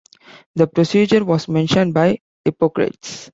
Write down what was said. The procedure was mentioned by Hippocrates.